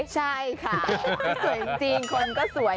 ใช่ค่ะสวยจริงคนก็สวย